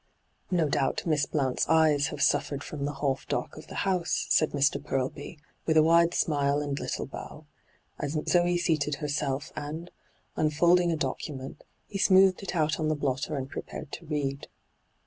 ' No doubt Miss Blount's eyes have suffered hyGoo^lc ENTRAPPED 89 from the half dark of the house,' said Mr. Purlby, with a wide smile and little bow, as Zee seated herself, and, unfolding a document, he smoothed it out on the blotter and prepared to read.